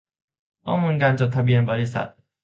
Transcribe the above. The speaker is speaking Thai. ข้อมูลการจดทะเบียนบริษัท